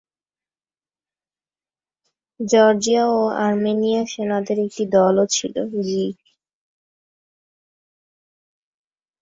জর্জীয় ও আর্মেনীয় সেনাদের একটি দলও ছিল।